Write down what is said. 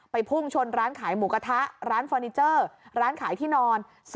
พุ่งชนร้านขายหมูกระทะร้านฟอร์นิเจอร์ร้านขายที่นอน